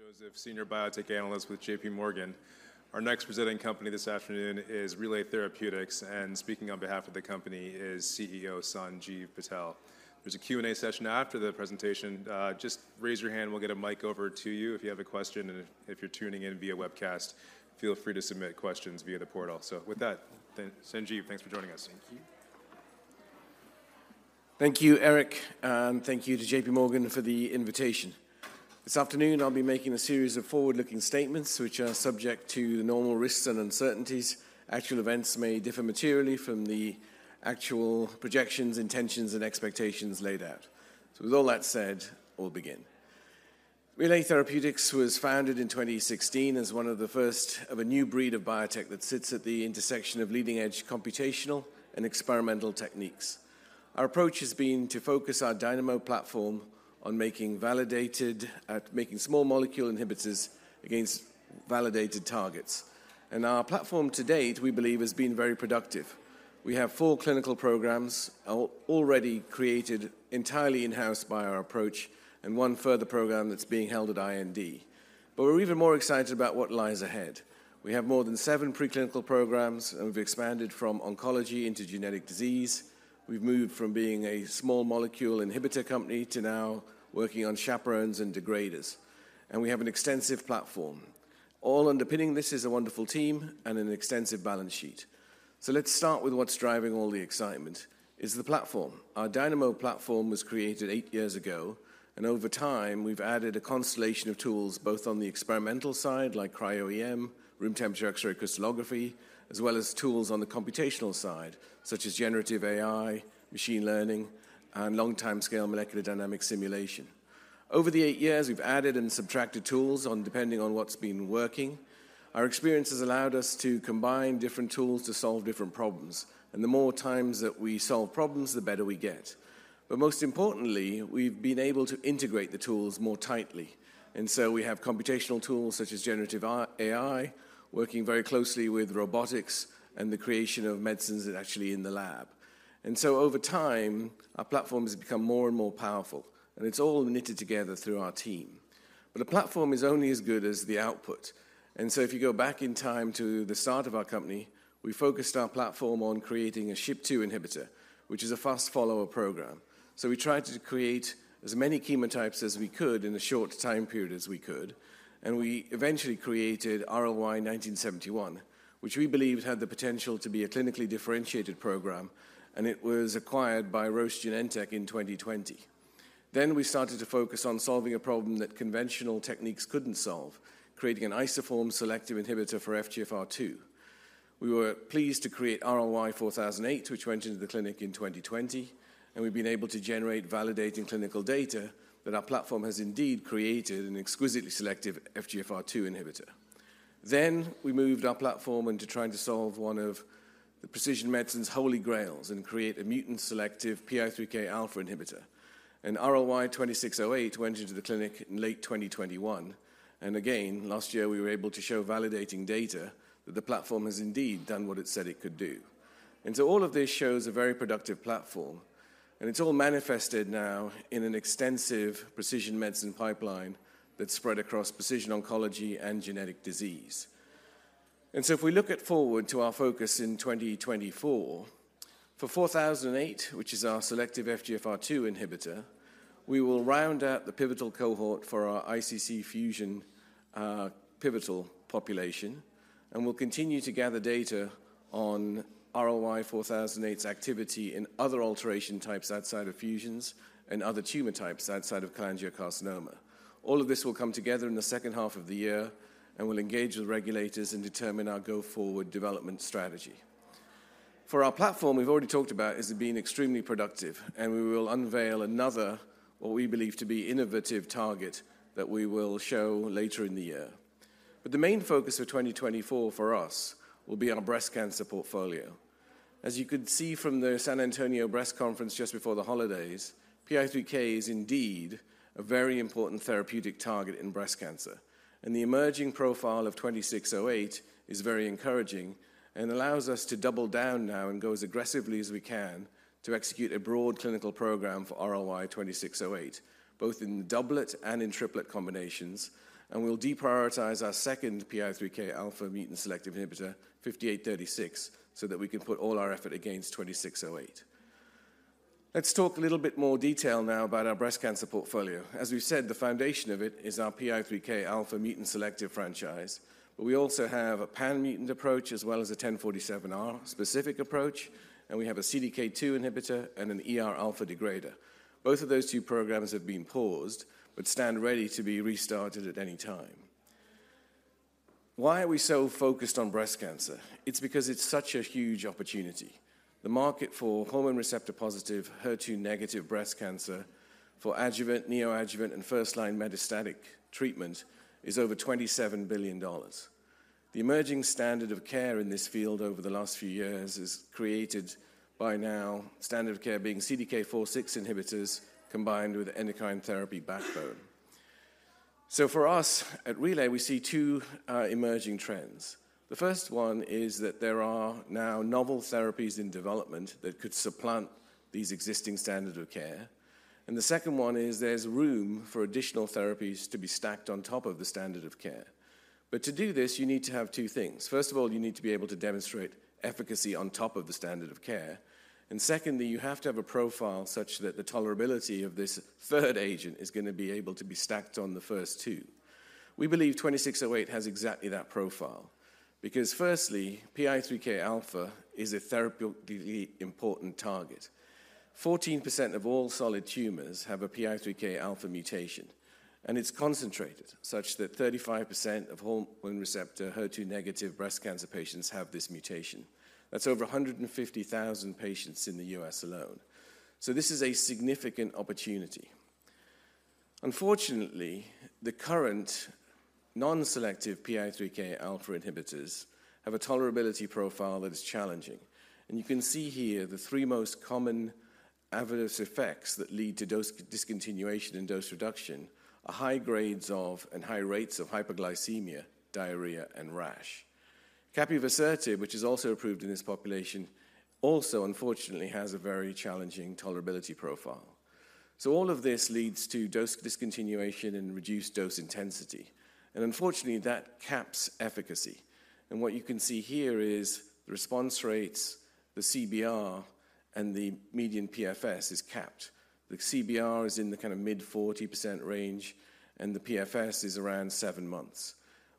Eric Joseph, Senior Biotech Analyst with J.P. Morgan. Our next presenting company this afternoon is Relay Therapeutics, and speaking on behalf of the company is Chief Executive Officer Sanjiv Patel. There's a Q&A session after the presentation. Just raise your hand, we'll get a mic over to you if you have a question, and if you're tuning in via webcast, feel free to submit questions via the portal. So with that, thanks, Sanjiv, for joining us. Thank you. Thank you, Eric, and thank you to J.P. Morgan for the invitation. This afternoon, I'll be making a series of forward-looking statements which are subject to the normal risks and uncertainties. Actual events may differ materially from the actual projections, intentions and expectations laid out. So with all that said, we'll begin. Relay Therapeutics was founded in 2016 as one of the first of a new breed of biotech that sits at the intersection of leading-edge computational and experimental techniques. Our approach has been to focus our Dynamo platform on making small molecule inhibitors against validated targets. Our platform to date, we believe, has been very productive. We have four clinical programs already created entirely in-house by our approach and one further program that's being held at IND. We're even more excited about what lies ahead. We have more than seven preclinical programs, and we've expanded from oncology into genetic disease. We've moved from being a small molecule inhibitor company to now working on chaperones and degraders, and we have an extensive platform. All underpinning this is a wonderful team and an extensive balance sheet. So let's start with what's driving all the excitement is the platform. Our Dynamo platform was created eight years ago, and over time, we've added a constellation of tools both on the experimental side, like cryo-EM, room temperature X-ray crystallography, as well as tools on the computational side, such as generative AI, machine learning, and long timescale molecular dynamics simulation. Over the eight years, we've added and subtracted tools, depending on what's been working. Our experience has allowed us to combine different tools to solve different problems, and the more times that we solve problems, the better we get. But most importantly, we've been able to integrate the tools more tightly, and so we have computational tools such as generative AI, working very closely with robotics and the creation of medicines that are actually in the lab. So over time, our platform has become more and more powerful, and it's all knitted together through our team. But a platform is only as good as the output, and so if you go back in time to the start of our company, we focused our platform on creating a SHP2 inhibitor, which is a fast follower program. So we tried to create as many chemotypes as we could in a short time period as we could, and we eventually created RLY-1971, which we believed had the potential to be a clinically differentiated program, and it was acquired by Roche Genentech in 2020. Then we started to focus on solving a problem that conventional techniques couldn't solve, creating an isoform-selective inhibitor for FGFR2. We were pleased to create RLY-4008, which went into the clinic in 2020, and we've been able to generate validating clinical data that our platform has indeed created an exquisitely selective FGFR2 inhibitor. Then we moved our platform into trying to solve one of the precision medicine's holy grails and create a mutant-selective PI3K alpha inhibitor, and RLY-2608 went into the clinic in late 2021, and again, last year, we were able to show validating data that the platform has indeed done what it said it could do. And so all of this shows a very productive platform, and it's all manifested now in an extensive precision medicine pipeline that's spread across precision oncology and genetic disease. If we look forward to our focus in 2024, for RLY-4008, which is our selective FGFR2 inhibitor, we will round out the pivotal cohort for our ICC fusion, pivotal population, and we'll continue to gather data on RLY-4008's activity in other alteration types outside of fusions and other tumor types outside of cholangiocarcinoma. All of this will come together in the second half of the year, and we'll engage with regulators and determine our go-forward development strategy. For our platform, we've already talked about, it's been extremely productive, and we will unveil another what we believe to be innovative target that we will show later in the year. The main focus of 2024 for us will be on our breast cancer portfolio. As you could see from the San Antonio Breast Cancer Symposium just before the holidays, PI3K is indeed a very important therapeutic target in breast cancer, and the emerging profile of RLY-2608 is very encouraging and allows us to double down now and go as aggressively as we can to execute a broad clinical program for RLY-2608, both in doublet and in triplet combinations, and we'll deprioritize our second PI3K alpha mutant selective inhibitor, RLY-5836, so that we can put all our effort against RLY-2608. Let's talk a little bit more detail now about our breast cancer portfolio. As we've said, the foundation of it is our PI3K alpha mutant selective franchise, but we also have a pan-mutant approach as well as a H1047R specific approach, and we have a CDK2 inhibitor and an ER alpha degrader. Both of those two programs have been paused but stand ready to be restarted at any time. Why are we so focused on breast cancer? It's because it's such a huge opportunity. The market for hormone receptor-positive, HER2-negative breast cancer for adjuvant, neoadjuvant, and first-line metastatic treatment is over $27 billion. The emerging standard of care in this field over the last few years is created by now, standard of care being CDK4/6 inhibitors combined with endocrine therapy backbone. So for us at Relay, we see two, emerging trends. The first one is that there are now novel therapies in development that could supplant these existing standard of care.... And the second one is there's room for additional therapies to be stacked on top of the standard of care. But to do this, you need to have two things. First of all, you need to be able to demonstrate efficacy on top of the standard of care, and secondly, you have to have a profile such that the tolerability of this third agent is gonna be able to be stacked on the first two. We believe 2608 has exactly that profile, because firstly, PI3K alpha is a therapeutically important target. 14% of all solid tumors have a PI3K alpha mutation, and it's concentrated such that 35% of hormone receptor HER2-negative breast cancer patients have this mutation. That's over 150,000 patients in the U.S. alone. So this is a significant opportunity. Unfortunately, the current non-selective PI3K alpha inhibitors have a tolerability profile that is challenging, and you can see here the three most common adverse effects that lead to dose discontinuation and dose reduction are high grades of and high rates of hyperglycemia, diarrhea, and rash. Capivasertib, which is also approved in this population, also unfortunately has a very challenging tolerability profile. So all of this leads to dose discontinuation and reduced dose intensity, and unfortunately, that caps efficacy. And what you can see here is the response rates, the CBR, and the median PFS is capped. The CBR is in the kind of mid-40% range, and the PFS is around seven months.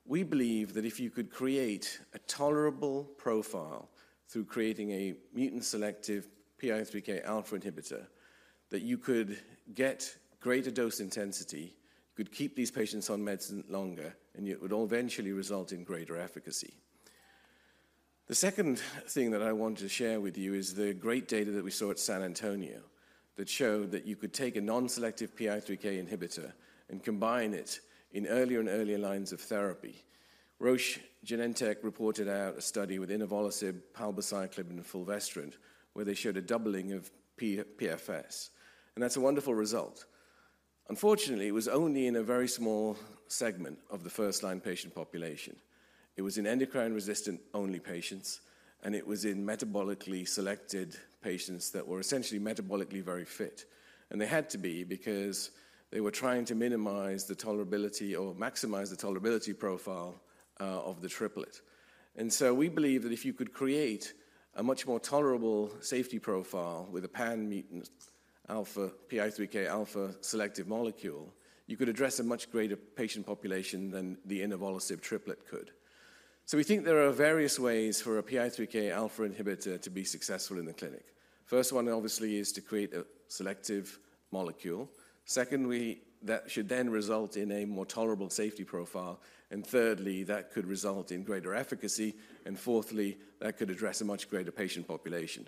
We believe that if you could create a tolerable profile through creating a mutant-selective PI3K alpha inhibitor, that you could get greater dose intensity, you could keep these patients on medicine longer, and it would eventually result in greater efficacy. The second thing that I wanted to share with you is the great data that we saw at San Antonio, that showed that you could take a non-selective PI3K inhibitor and combine it in earlier and earlier lines of therapy. Roche Genentech reported out a study with inavolisib, palbociclib, and fulvestrant, where they showed a doubling of PFS, and that's a wonderful result. Unfortunately, it was only in a very small segment of the first-line patient population. It was in endocrine-resistant-only patients, and it was in metabolically selected patients that were essentially metabolically very fit. They had to be, because they were trying to minimize the tolerability or maximize the tolerability profile of the triplet. So we believe that if you could create a much more tolerable safety profile with a pan mutant alpha, PI3K alpha selective molecule, you could address a much greater patient population than the inavolisib triplet could. So we think there are various ways for a PI3K alpha inhibitor to be successful in the clinic. First one, obviously, is to create a selective molecule. Secondly, that should then result in a more tolerable safety profile. And thirdly, that could result in greater efficacy. And fourthly, that could address a much greater patient population.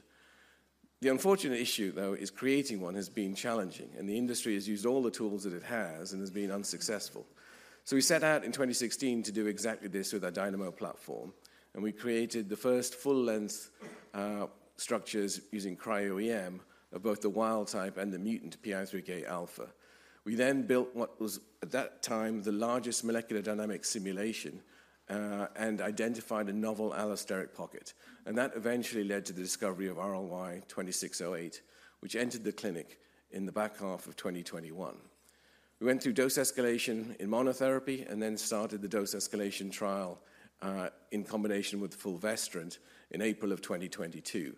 The unfortunate issue, though, is creating one has been challenging, and the industry has used all the tools that it has and has been unsuccessful. So we set out in 2016 to do exactly this with our Dynamo platform, and we created the first full-length structures using cryo-EM of both the wild type and the mutant PI3K alpha. We then built what was, at that time, the largest molecular dynamic simulation and identified a novel allosteric pocket, and that eventually led to the discovery of RLY-2608, which entered the clinic in the back half of 2021. We went through dose escalation in monotherapy and then started the dose escalation trial in combination with fulvestrant in April of 2022.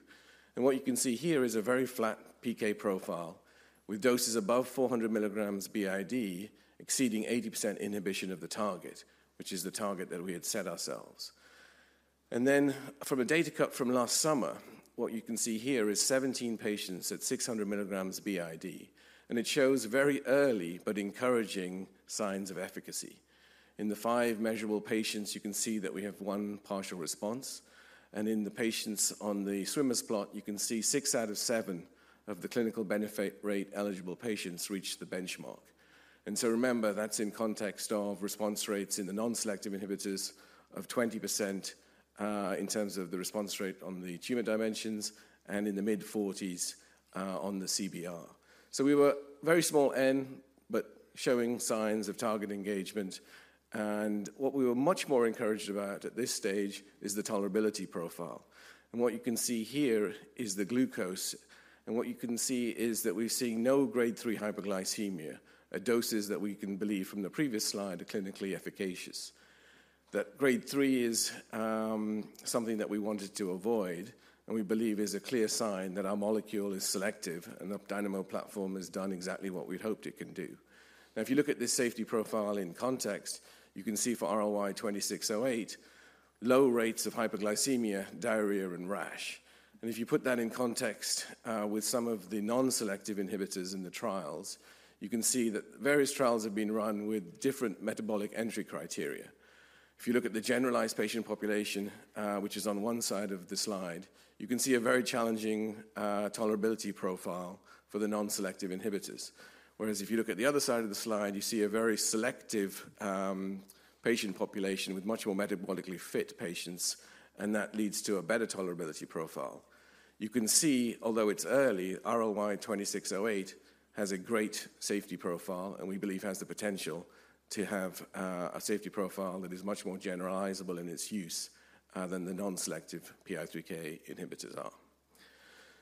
And what you can see here is a very flat PK profile with doses above 400 milligrams BID exceeding 80% inhibition of the target, which is the target that we had set ourselves. Then from a data cut from last summer, what you can see here is 17 patients at 600 milligrams BID, and it shows very early but encouraging signs of efficacy. In the five measurable patients, you can see that we have one partial response, and in the patients on the swimmer plot, you can see six out of seven of the clinical benefit rate-eligible patients reached the benchmark. And so remember, that's in context of response rates in the non-selective inhibitors of 20%, in terms of the response rate on the tumor dimensions and in the mid-40s on the CBR. We were very small N, but showing signs of target engagement, and what we were much more encouraged about at this stage is the tolerability profile. What you can see here is the glucose, and what you can see is that we're seeing no grade 3 hyperglycemia at doses that we can believe from the previous slide are clinically efficacious. That grade 3 is something that we wanted to avoid and we believe is a clear sign that our molecule is selective and the Dynamo platform has done exactly what we'd hoped it can do. Now, if you look at this safety profile in context, you can see for RLY-2608, low rates of hyperglycemia, diarrhea, and rash. And if you put that in context with some of the non-selective inhibitors in the trials, you can see that various trials have been run with different metabolic entry criteria. If you look at the generalized patient population, which is on one side of the slide, you can see a very challenging tolerability profile for the non-selective inhibitors. Whereas if you look at the other side of the slide, you see a very selective patient population with much more metabolically fit patients, and that leads to a better tolerability profile. You can see, although it's early, RLY-2608 has a great safety profile and we believe has the potential to have a safety profile that is much more generalizable in its use than the non-selective PI3K inhibitors are.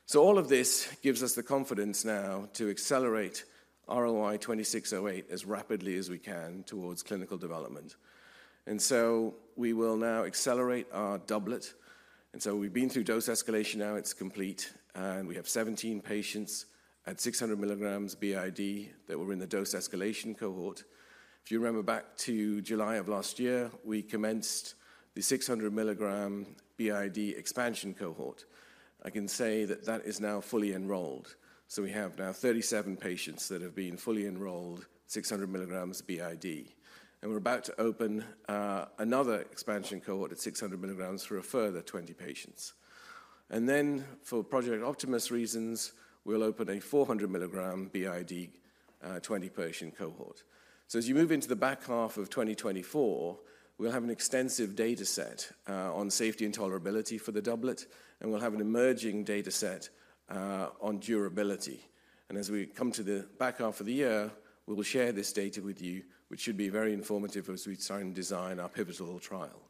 So all of this gives us the confidence now to accelerate RLY-2608 as rapidly as we can towards clinical development. And so we will now accelerate our doublet. So we've been through dose escalation, now it's complete, and we have 17 patients at 600 milligrams BID that were in the dose escalation cohort. If you remember back to July of last year, we commenced the 600 milligram BID expansion cohort. I can say that that is now fully enrolled. So we have now 37 patients that have been fully enrolled, 600 milligrams BID, and we're about to open another expansion cohort at 600 milligrams for a further 20 patients. And then for Project Optimist reasons, we'll open a 400 milligram BID 20-patient cohort. So as you move into the back half of 2024, we'll have an extensive data set on safety and tolerability for the doublet, and we'll have an emerging data set on durability. As we come to the back half of the year, we will share this data with you, which should be very informative as we design our pivotal trial.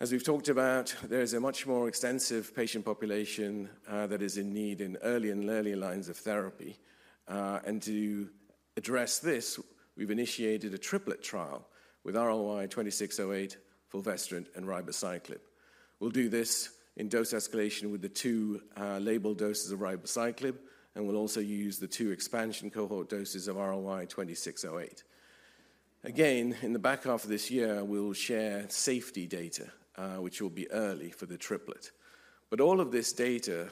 As we've talked about, there is a much more extensive patient population that is in need in early and early lines of therapy. To address this, we've initiated a triplet trial with RLY-2608, fulvestrant, and ribociclib. We'll do this in dose escalation with the two labeled doses of ribociclib, and we'll also use the two expansion cohort doses of RLY-2608. Again, in the back half of this year, we'll share safety data, which will be early for the triplet. But all of this data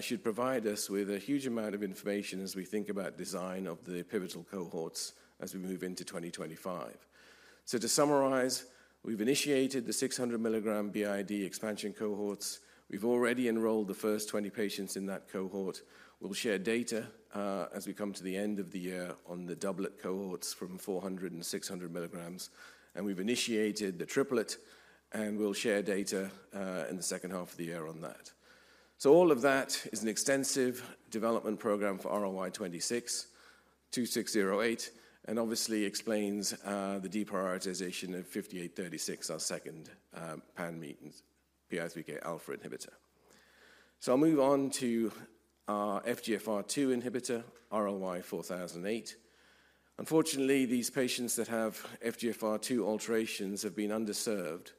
should provide us with a huge amount of information as we think about design of the pivotal cohorts as we move into 2025. So to summarize, we've initiated the 600 mg BID expansion cohorts. We've already enrolled the first 20 patients in that cohort. We'll share data as we come to the end of the year on the doublet cohorts from 400 and 600 mg, and we've initiated the triplet, and we'll share data in the second half of the year on that. So all of that is an extensive development program for RLY-2608, and obviously explains the deprioritization of RLY-5836, our second pan-mutant PI3K alpha inhibitor. So I'll move on to our FGFR2 inhibitor, RLY-4008. Unfortunately, these patients that have FGFR2 alterations have been underserved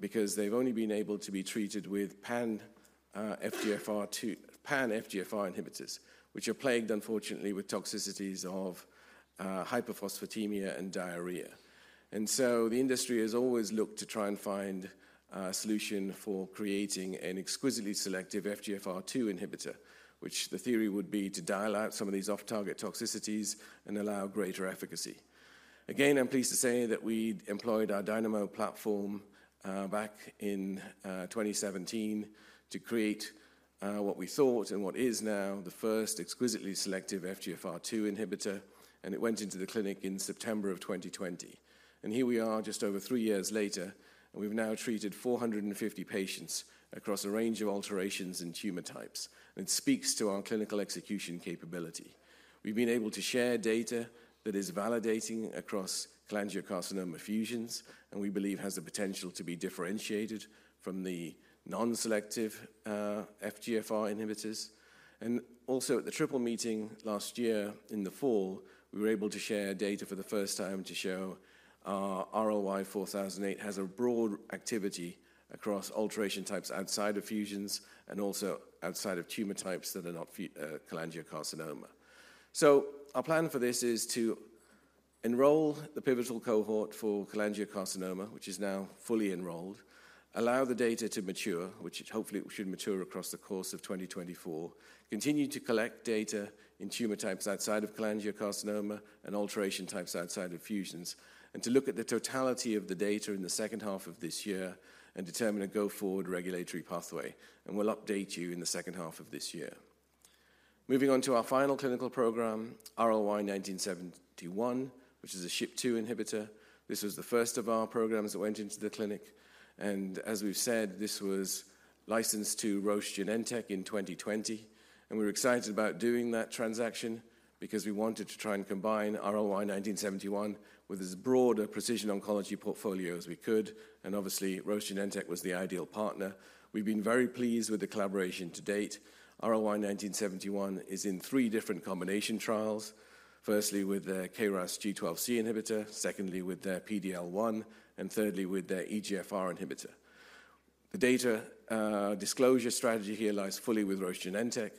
because they've only been able to be treated with pan FGFR inhibitors, which are plagued, unfortunately, with toxicities of hyperphosphatemia and diarrhea. The industry has always looked to try and find a solution for creating an exquisitely selective FGFR2 inhibitor, which the theory would be to dial out some of these off-target toxicities and allow greater efficacy. Again, I'm pleased to say that we employed our Dynamo platform back in 2017 to create what we thought and what is now the first exquisitely selective FGFR2 inhibitor, and it went into the clinic in September of 2020. Here we are, just over three years later, and we've now treated 450 patients across a range of alterations and tumor types, and it speaks to our clinical execution capability. We've been able to share data that is validating across cholangiocarcinoma fusions, and we believe has the potential to be differentiated from the non-selective FGFR inhibitors. Also, at the triple meeting last year in the fall, we were able to share data for the first time to show our RLY-4008 has a broad activity across alteration types, outside of fusions, and also outside of tumor types that are not cholangiocarcinoma. So our plan for this is to enroll the pivotal cohort for cholangiocarcinoma, which is now fully enrolled, allow the data to mature, which hopefully should mature across the course of 2024, continue to collect data in tumor types outside of cholangiocarcinoma and alteration types outside of fusions, and to look at the totality of the data in the second half of this year and determine a go-forward regulatory pathway, and we'll update you in the second half of this year. Moving on to our final clinical program, RLY-1971, which is a SHP2 inhibitor. This was the first of our programs that went into the clinic, and as we've said, this was licensed to Roche Genentech in 2020, and we were excited about doing that transaction because we wanted to try and combine RLY-1971 with as broad a precision oncology portfolio as we could, and obviously, Roche Genentech was the ideal partner. We've been very pleased with the collaboration to date. RLY-1971 is in three different combination trials, firstly, with the KRAS G12C inhibitor, secondly, with their PD-L1, and thirdly, with their EGFR inhibitor. The data disclosure strategy here lies fully with Roche Genentech.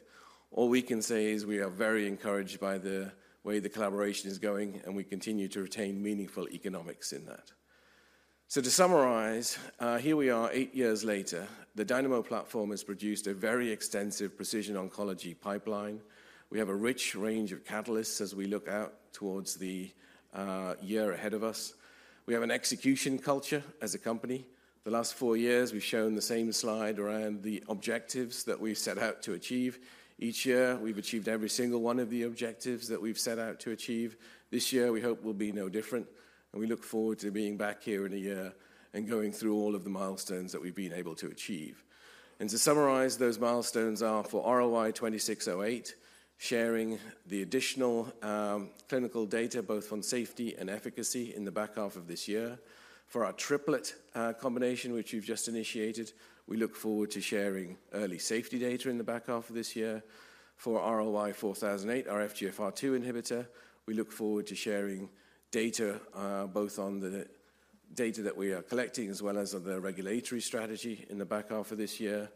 All we can say is we are very encouraged by the way the collaboration is going, and we continue to retain meaningful economics in that. So to summarize, here we are, eight years later. The Dynamo platform has produced a very extensive precision oncology pipeline. We have a rich range of catalysts as we look out towards the year ahead of us. We have an execution culture as a company. The last four years, we've shown the same slide around the objectives that we've set out to achieve. Each year, we've achieved every single one of the objectives that we've set out to achieve. This year, we hope will be no different, and we look forward to being back here in a year and going through all of the milestones that we've been able to achieve. And to summarize, those milestones are for RLY-2608, sharing the additional clinical data, both on safety and efficacy, in the back half of this year. For our triplet combination, which we've just initiated, we look forward to sharing early safety data in the back half of this year. For RLY-4008, our FGFR2 inhibitor, we look forward to sharing data, both on the data that we are collecting, as well as of the regulatory strategy in the back half of this year.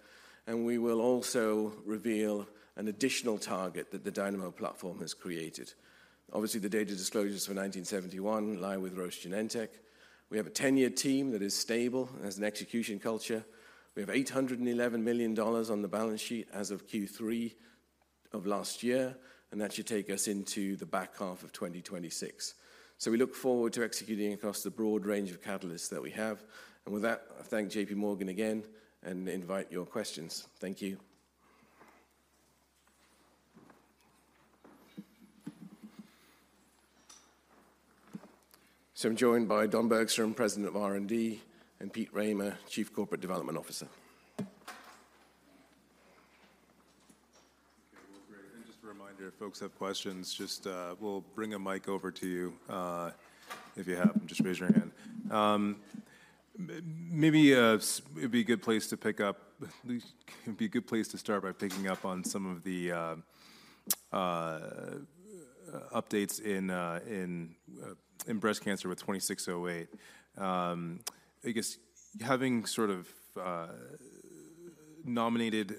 We will also reveal an additional target that the Dynamo platform has created. Obviously, the data disclosures for RLY-1971 lie with Roche Genentech. We have a tenured team that is stable and has an execution culture. We have $811 million on the balance sheet as of Q3 of last year, and that should take us into the back half of 2026. So we look forward to executing across the broad range of catalysts that we have. With that, I thank J.P. Morgan again and invite your questions. Thank you. So I'm joined by Don Bergstrom, President of Research and Development, and Peter Rahmer, Chief Corporate Development Officer. Okay, well, great. And just a reminder, if folks have questions, just, we'll bring a mic over to you, if you have, just raise your hand. Maybe it'd be a good place to start by picking up on some of the updates in breast cancer with 2608. I guess having sort of nominated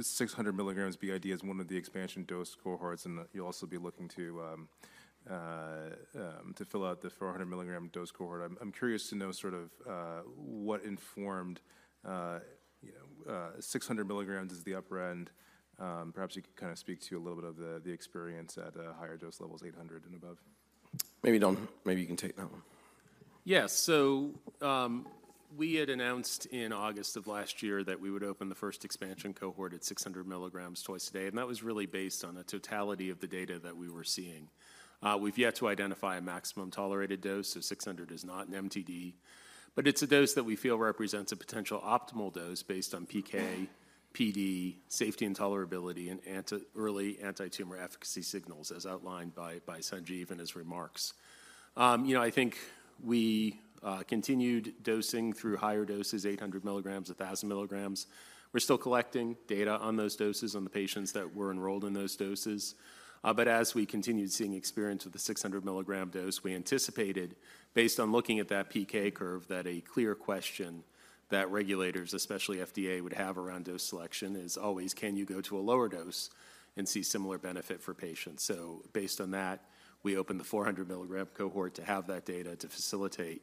600 milligrams BID as one of the expansion dose cohorts, and you'll also be looking to fill out the 400 milligram dose cohort. I'm curious to know sort of what informed, you know, 600 milligrams is the upper end. Perhaps you could kind of speak to a little bit of the experience at higher dose levels, 800 and above. Maybe, Don, maybe you can take that one. Yes. So, we had announced in August of last year that we would open the first expansion cohort at 600 milligrams twice a day, and that was really based on the totality of the data that we were seeing. We've yet to identify a maximum tolerated dose, so 600 is not an MTD, but it's a dose that we feel represents a potential optimal dose based on PK, PD, safety and tolerability, and early antitumor efficacy signals, as outlined by, by Sanjiv in his remarks. You know, I think we continued dosing through higher doses, 800 milligrams, 1,000 milligrams. We're still collecting data on those doses on the patients that were enrolled in those doses. But as we continued seeing experience with the 600 milligram dose, we anticipated, based on looking at that PK curve, that a clear question that regulators, especially FDA, would have around dose selection is always: Can you go to a lower dose and see similar benefit for patients? So based on that, we opened the 400 milligram cohort to have that data to facilitate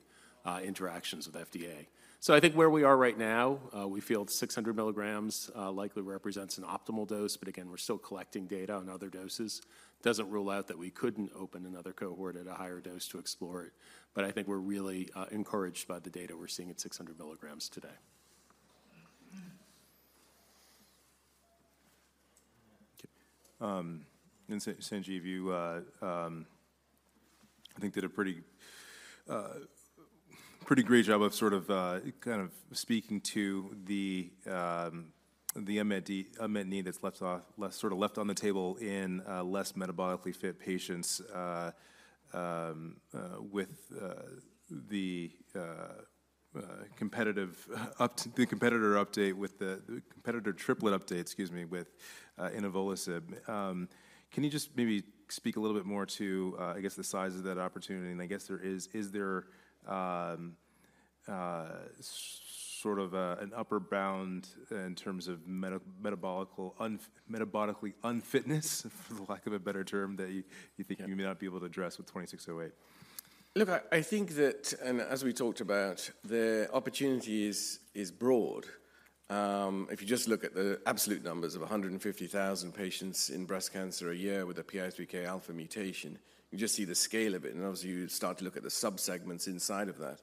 interactions with FDA. So I think where we are right now, we feel the 600 milligrams likely represents an optimal dose, but again, we're still collecting data on other doses. Doesn't rule out that we couldn't open another cohort at a higher dose to explore it, but I think we're really encouraged by the data we're seeing at 600 milligrams today. Sanjiv, you I think did a pretty great job of sort of kind of speaking to the unmet need that's sort of left on the table in less metabolically fit patients with the competitor triplet update, excuse me, with inavolisib. Can you just maybe speak a little bit more to I guess the size of that opportunity? And I guess, is there sort of an upper bound in terms of metabolically unfitness, for the lack of a better term, that you think you may not be able to address with RLY-2608? Look, I think that, and as we talked about, the opportunity is broad. If you just look at the absolute numbers of 150,000 patients in breast cancer a year with a PI3K alpha mutation, you just see the scale of it, and obviously, you start to look at the subsegments inside of that.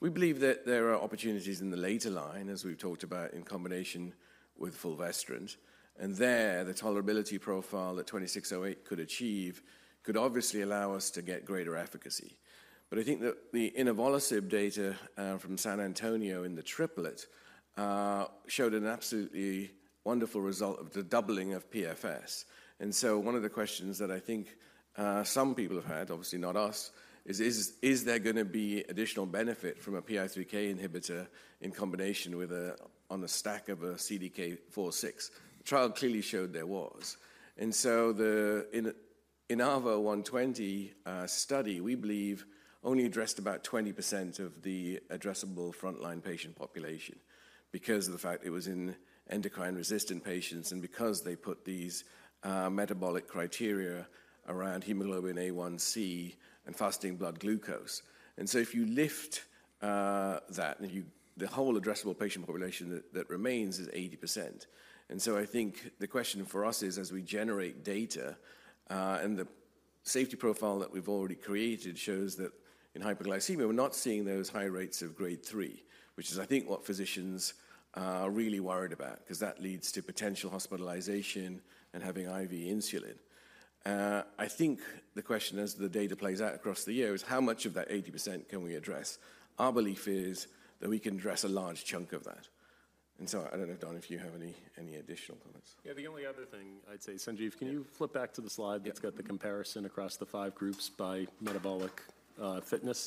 We believe that there are opportunities in the later line, as we've talked about, in combination with fulvestrant, and there, the tolerability profile that 2608 could achieve could obviously allow us to get greater efficacy. But I think that the inavolisib data from San Antonio in the triplet showed an absolutely wonderful result of the doubling of PFS. And so one of the questions that I think some people have had, obviously not us, is: Is there gonna be additional benefit from a PI3K inhibitor in combination with a, on a stack of a CDK4/6? The trial clearly showed there was. And so the INAVO120 study, we believe, only addressed about 20% of the addressable frontline patient population because of the fact it was in endocrine-resistant patients and because they put these metabolic criteria around hemoglobin A1C and fasting blood glucose. And so if you lift that, and the whole addressable patient population that remains is 80%. I think the question for us is, as we generate data, and the safety profile that we've already created shows that in hyperglycemia, we're not seeing those high rates of Grade 3, which is, I think, what physicians are really worried about because that leads to potential hospitalization and having IV insulin. I think the question, as the data plays out across the years, how much of that 80% can we address? Our belief is that we can address a large chunk of that. And so I don't know, Don, if you have any, any additional comments. Yeah, the only other thing I'd say, Sanjiv- Yeah. Can you flip back to the slide? Yeah. -that's got the comparison across the five groups by metabolic fitness?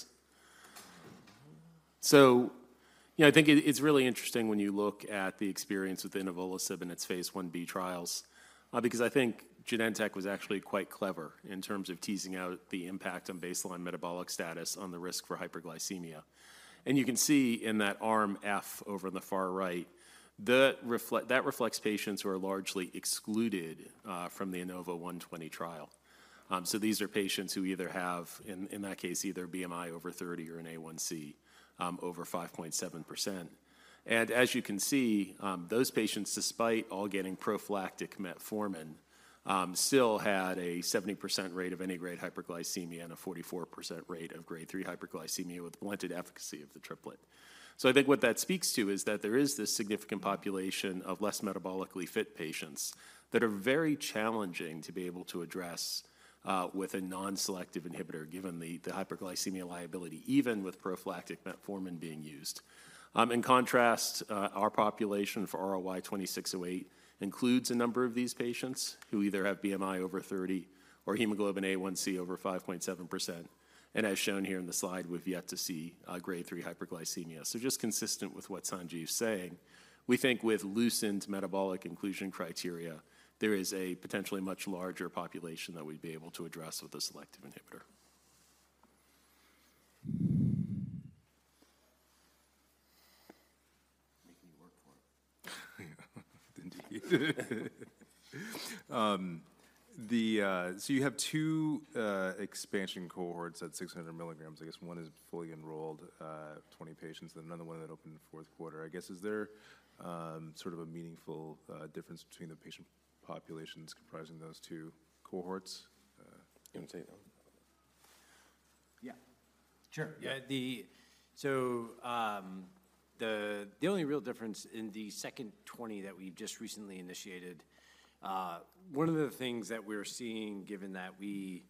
Yeah, I think it's really interesting when you look at the experience with the inavolisib and its Phase Ib trials, because I think Genentech was actually quite clever in terms of teasing out the impact on baseline metabolic status on the risk for hyperglycemia. And you can see in that arm F over in the far right, that reflects patients who are largely excluded from the INAVO-120 trial. So these are patients who either have, in that case, either BMI over 30 or an A1C over 5.7%. As you can see, those patients, despite all getting prophylactic metformin, still had a 70% rate of any grade hyperglycemia and a 44% rate of grade three hyperglycemia with blunted efficacy of the triplet. So I think what that speaks to is that there is this significant population of less metabolically fit patients that are very challenging to be able to address with a non-selective inhibitor, given the hyperglycemia liability, even with prophylactic metformin being used. In contrast, our population for RLY-2608 includes a number of these patients who either have BMI over 30 or hemoglobin A1C over 5.7%. As shown here in the slide, we've yet to see grade three hyperglycemia. Just consistent with what Sanjiv's saying, we think with loosened metabolic inclusion criteria, there is a potentially much larger population that we'd be able to address with a selective inhibitor. Making you work for it. Indeed. So you have two expansion cohorts at 600 milligrams. I guess one is fully enrolled, 20 patients, and another one that opened in the fourth quarter. I guess, is there sort of a meaningful difference between the patient populations comprising those two cohorts? You want to take that one? Yeah. Sure, yeah. The only real difference in the second 20 that we've just recently initiated, one of the things that we're seeing, given that we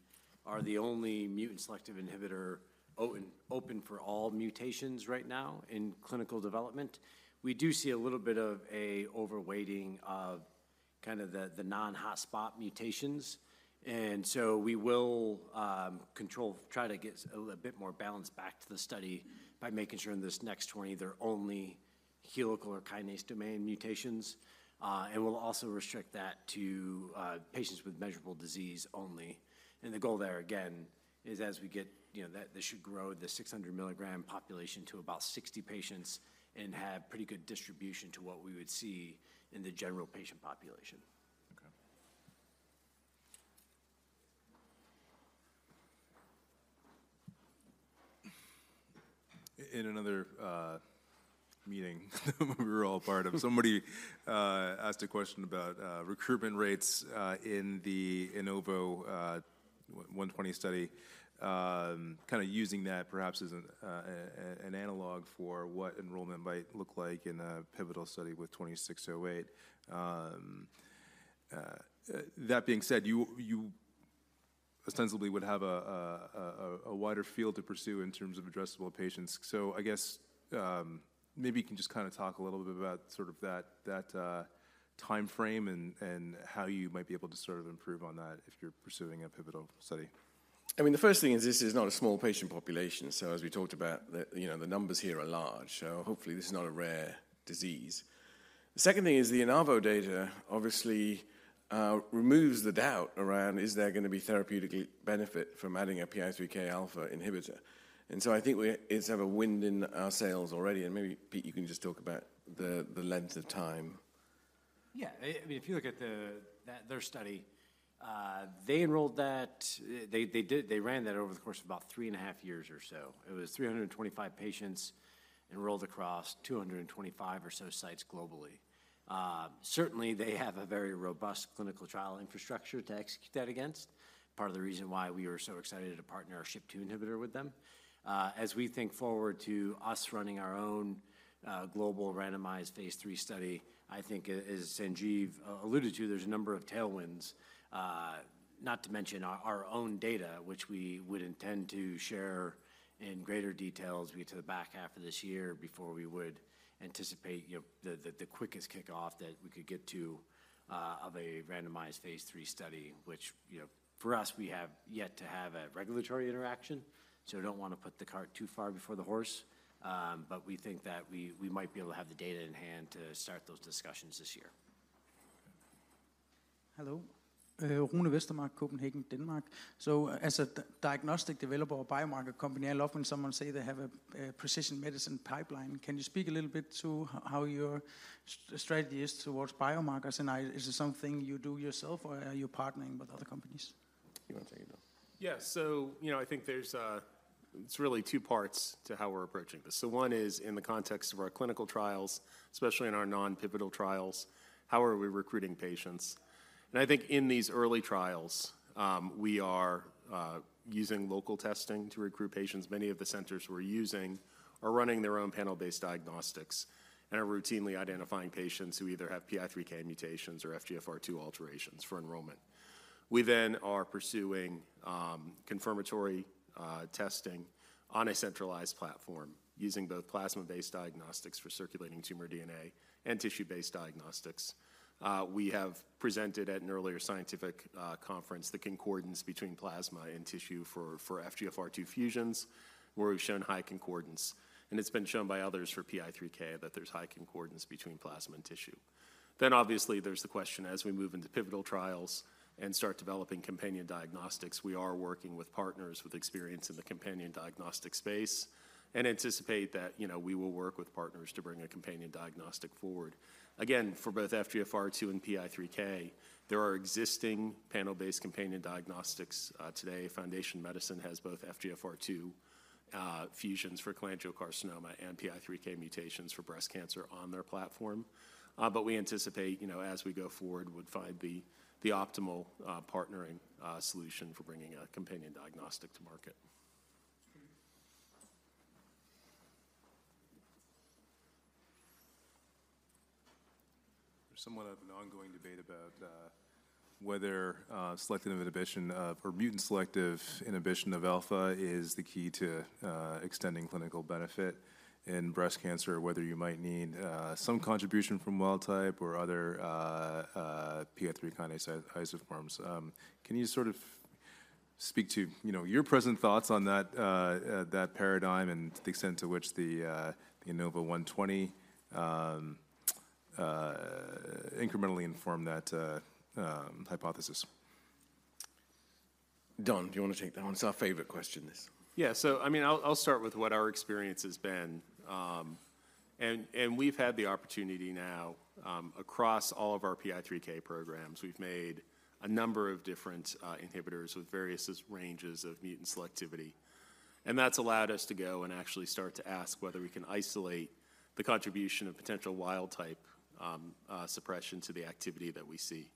are the only mutant selective inhibitor open for all mutations right now in clinical development, we do see a little bit of an overweighting of kind of the non-hotspot mutations. And so we will try to get a bit more balance back to the study by making sure in this next 20, there are only helical or kinase domain mutations. And we'll also restrict that to patients with measurable disease only. And the goal there, again, is as we get, you know, that this should grow the 600 milligram population to about 60 patients and have pretty good distribution to what we would see in the general patient population. Okay. In another meeting we were all part of, somebody asked a question about recruitment rates in the INAVO120 study. Kinda using that perhaps as an analog for what enrollment might look like in a pivotal study with RLY-2608. That being said, you ostensibly would have a wider field to pursue in terms of addressable patients. So I guess, maybe you can just kinda talk a little bit about sort of that timeframe and how you might be able to sort of improve on that if you're pursuing a pivotal study. I mean, the first thing is this is not a small patient population. So as we talked about, the, you know, the numbers here are large, so hopefully, this is not a rare disease. The second thing is the INAVO data obviously removes the doubt around, is there gonna be therapeutic benefit from adding a PI3K alpha inhibitor? And so I think we-- it's have a wind in our sails already, and maybe, Pete, you can just talk about the, the length of time. Yeah. I mean, if you look at that, their study, they enrolled that. They did, they ran that over the course of about 3.5 years or so. It was 325 patients enrolled across 225 or so sites globally. Certainly, they have a very robust clinical trial infrastructure to execute that against. Part of the reason why we were so excited to partner our SHP2 inhibitor with them. As we think forward to us running our own global randomized phase III study, I think as Sanjiv alluded to, there's a number of tailwinds. Not to mention our own data, which we would intend to share in greater detail we get to the back half of this year before we would anticipate, you know, the quickest kickoff that we could get to of a randomized phase 3 study. Which, you know, for us, we have yet to have a regulatory interaction, so I don't wanna put the cart too far before the horse. But we think that we might be able to have the data in hand to start those discussions this year. Hello. Rune Vestermark, Copenhagen, Denmark. So as a diagnostic developer or biomarker company, I love when someone say they have a precision medicine pipeline. Can you speak a little bit to how your strategy is towards biomarkers, and is it something you do yourself, or are you partnering with other companies? You wanna take it, Bill? Yes. So, you know, I think there's... It's really two parts to how we're approaching this. So one is in the context of our clinical trials, especially in our non-pivotal trials, how are we recruiting patients? And I think in these early trials, we are using local testing to recruit patients. Many of the centers we're using are running their own panel-based diagnostics and are routinely identifying patients who either have PI3K mutations or FGFR2 alterations for enrollment.... We then are pursuing confirmatory testing on a centralized platform using both plasma-based diagnostics for circulating tumor DNA and tissue-based diagnostics. We have presented at an earlier scientific conference the concordance between plasma and tissue for FGFR2 fusions, where we've shown high concordance. And it's been shown by others for PI3K that there's high concordance between plasma and tissue. Then obviously, there's the question as we move into pivotal trials and start developing companion diagnostics, we are working with partners with experience in the companion diagnostic space and anticipate that, you know, we will work with partners to bring a companion diagnostic forward. Again, for both FGFR2 and PI3K, there are existing panel-based companion diagnostics today. Foundation Medicine has both FGFR2 fusions for cholangiocarcinoma and PI3K mutations for breast cancer on their platform. But we anticipate, you know, as we go forward, would find the optimal partnering solution for bringing a companion diagnostic to market. There's somewhat of an ongoing debate about whether selective inhibition or mutant selective inhibition of alpha is the key to extending clinical benefit in breast cancer, or whether you might need some contribution from wild type or other PI3 kinase isoforms. Can you sort of speak to, you know, your present thoughts on that paradigm and the extent to which the INAVO120 incrementally informed that hypothesis? Don, do you want to take that one? It's our favorite question, this. Yeah, so, I mean, I'll start with what our experience has been. And we've had the opportunity now across all of our PI3K programs. We've made a number of different inhibitors with various ranges of mutant selectivity, and that's allowed us to go and actually start to ask whether we can isolate the contribution of potential wild-type suppression to the activity that we see.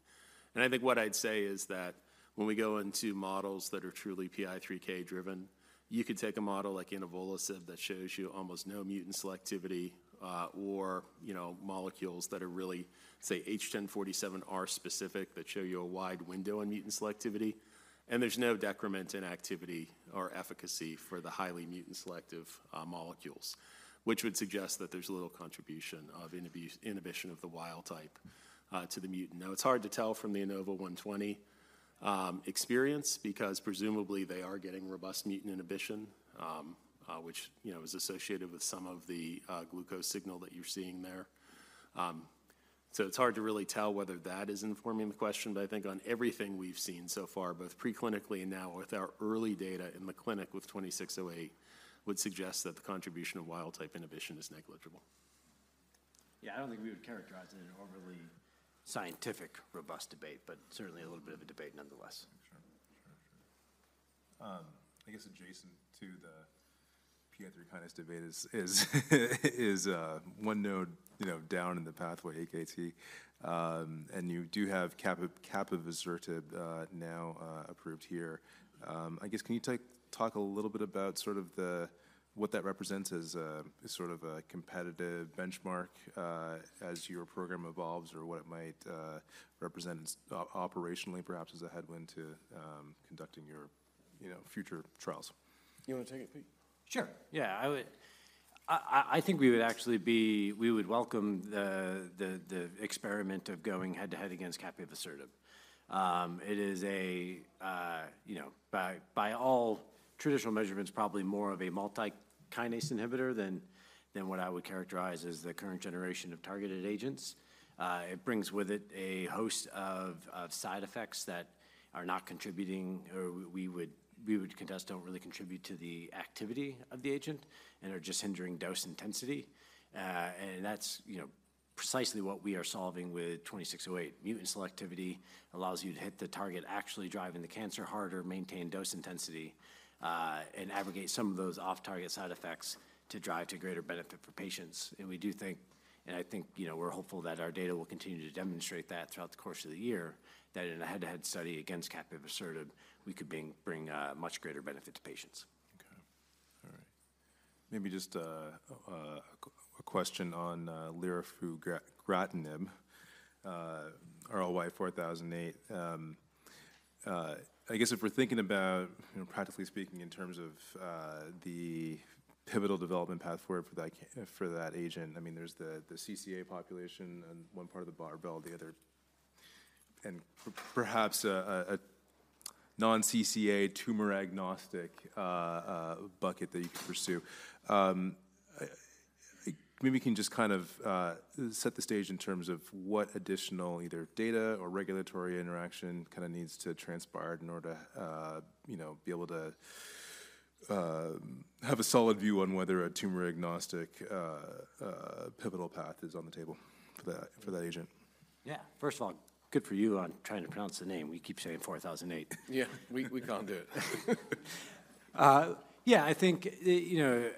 I think what I'd say is that when we go into models that are truly PI3K driven, you could take a model like inavolisib that shows you almost no mutant selectivity, or, you know, molecules that are really, say, H1047R specific, that show you a wide window in mutant selectivity, and there's no decrement in activity or efficacy for the highly mutant selective molecules, which would suggest that there's little contribution of inhibition of the wild type to the mutant. Now, it's hard to tell from the INAVO120 experience, because presumably they are getting robust mutant inhibition, which, you know, is associated with some of the glucose signal that you're seeing there. So, it's hard to really tell whether that is informing the question, but I think on everything we've seen so far, both preclinically and now with our early data in the clinic with 2608, would suggest that the contribution of wild-type inhibition is negligible. Yeah, I don't think we would characterize it an overly scientific, robust debate, but certainly a little bit of a debate nonetheless. Sure. I guess adjacent to the PI3 kinase debate is one node, you know, down in the pathway, AKT. And you do have capivasertib now approved here. I guess, can you talk a little bit about sort of the what that represents as a sort of a competitive benchmark as your program evolves, or what it might represent operationally, perhaps, as a headwind to conducting your, you know, future trials? You want to take it, Pete? Sure. Yeah, I think we would actually welcome the experiment of going head-to-head against capivasertib. It is a, you know, by all traditional measurements, probably more of a multi-kinase inhibitor than what I would characterize as the current generation of targeted agents. It brings with it a host of side effects that are not contributing, or we would contest, don't really contribute to the activity of the agent and are just hindering dose intensity. And that's, you know, precisely what we are solving with 2608. Mutant selectivity allows you to hit the target actually driving the cancer harder, maintain dose intensity, and aggregate some of those off-target side effects to drive to greater benefit for patients. We do think, and I think, you know, we're hopeful that our data will continue to demonstrate that throughout the course of the year, that in a head-to-head study against capivasertib, we could bring much greater benefit to patients. Okay. All right. Maybe just a question on lirafugratinib, RLY-4008. I guess if we're thinking about, practically speaking, in terms of the pivotal development path forward for that agent, I mean, there's the CCA population and one part of the barbell, the other. And perhaps a non-CCA tumor-agnostic bucket that you could pursue. Maybe you can just kind of set the stage in terms of what additional, either data or regulatory interaction kind of needs to transpire in order to you know, be able to have a solid view on whether a tumor-agnostic pivotal path is on the table for that agent. Yeah. First of all, good for you on trying to pronounce the name. We keep saying 4008. Yeah, we can't do it. Yeah, I think, you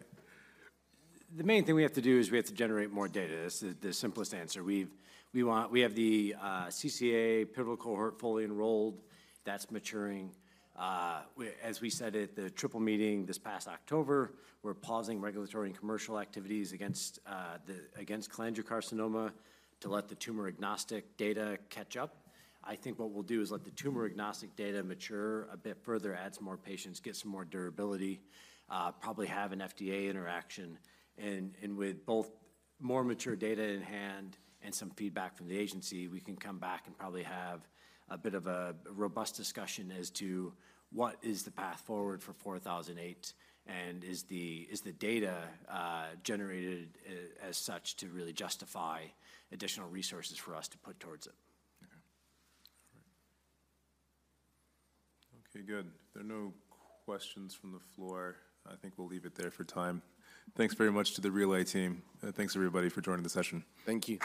know, the main thing we have to do is we have to generate more data. This is the simplest answer. We have the CCA pivotal cohort fully enrolled. That's maturing. As we said at the triple meeting this past October, we're pausing regulatory and commercial activities against cholangiocarcinoma to let the tumor-agnostic data catch up. I think what we'll do is let the tumor-agnostic data mature a bit further, add some more patients, get some more durability, probably have an FDA interaction. With both more mature data in hand and some feedback from the agency, we can come back and probably have a bit of a robust discussion as to what is the path forward for 4008, and is the data generated as such to really justify additional resources for us to put towards it? Okay, great. Okay, good. If there are no questions from the floor, I think we'll leave it there for time. Thanks very much to the Relay team, and thanks, everybody, for joining the session. Thank you.